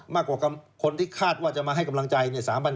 มากกว่าคนที่คาดว่าจะมาให้กำลังใจ